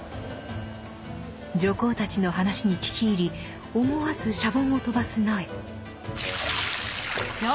女工たちの話に聞き入り思わずシャボンをとばす野枝。